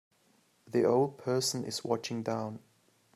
The old person is watching down.